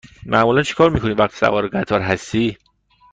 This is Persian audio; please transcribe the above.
معمولا چکار می کنی وقتی سوار قطار هستی؟